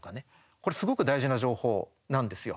これすごく大事な情報なんですよ。